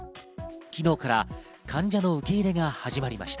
昨日から患者の受け入れが始まりました。